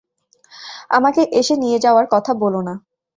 আমাকে এসে নিয়ে যাওয়ার কথা বোলো না।